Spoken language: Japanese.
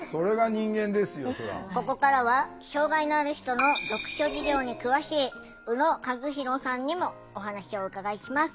ここからは障害のある人の読書事情に詳しい宇野和博さんにもお話をお伺いします。